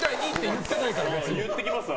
言っていきますわ。